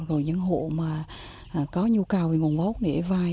rồi những hộ có nhu cầu về nguồn vốn để vai